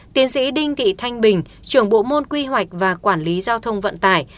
tiến sĩ đinh thị thanh bình trưởng bộ môn quy hoạch và quản lý giao thông vận tải